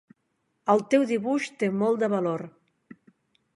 El teu dibuix té molt de valor.